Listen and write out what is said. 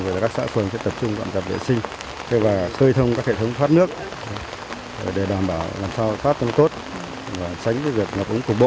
rồi là các xã phường sẽ tập trung tạm tập vệ sinh và khơi thông các hệ thống phát nước để đảm bảo làm sao phát tâm tốt và tránh việc ngập úng cục bộ